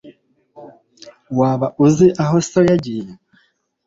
waba uzi aho so yagiye